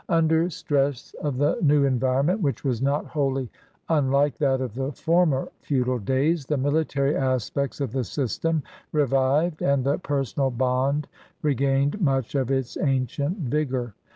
Under stress of the new environment, which was not wholly unlike that of the former feudal days, the military aspects of the system revived and the personal bond regained much of its ancient vigor.